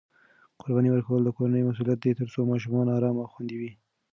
قرباني ورکول د کورنۍ مسؤلیت دی ترڅو ماشومان ارام او خوندي وي.